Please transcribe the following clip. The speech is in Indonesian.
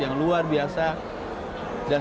yang luar biasa dan